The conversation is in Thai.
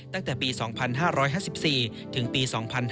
ตั้งแต่ปี๒๕๕๔ถึงปี๒๕๕๙